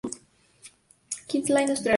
Queensland, Australia.